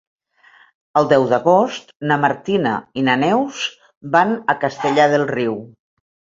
El deu d'agost na Martina i na Neus van a Castellar del Riu.